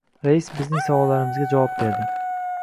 Rais bizning savollarimizga javob berdi.